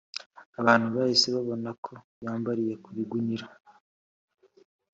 Abantu bahise babona ko yambariye ku bigunira